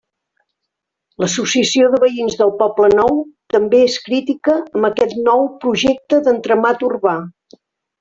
L'associació de veïns del Poblenou també és crítica amb aquest nou projecte d'entramat urbà.